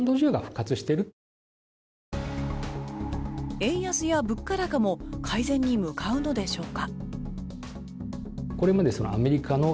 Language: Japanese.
円安や物価高も改善に向かうのでしょうか。